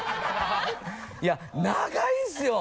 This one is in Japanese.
いや長いんですよ！